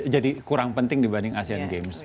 jadi kurang penting dibanding asian games